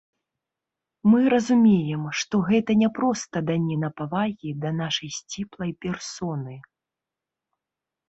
Мы разумеем, што гэта не проста даніна павагі да нашай сціплай персоны.